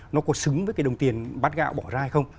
nó có xứng với cái đồng tiền bát gạo bỏ ra hay không